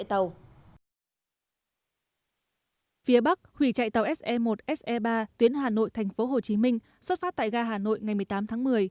tuyến hà nội thành phố hồ chí minh xuất phát tại ga hà nội ngày một mươi tám tháng một mươi